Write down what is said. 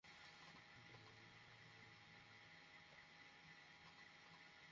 তবে তিনি দর্শকদের কাছে পরিচিতি পান আমজাদ হোসেনের নয়নমণি ছবির মধ্য দিয়ে।